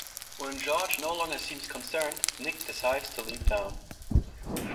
When George no longer seems concerned, Nick decides to leave town.